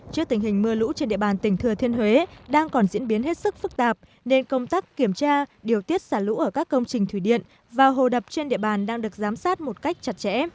trước tình hình mưa lũ trên địa bàn tỉnh thừa thiên huế đang còn diễn biến hết sức phức tạp nên công tác kiểm tra điều tiết xả lũ ở các công trình thủy điện và hồ đập trên địa bàn đang được giám sát một cách chặt chẽ